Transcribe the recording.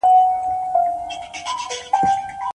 تاريخ د ملتونو د ژوند هنداره ده.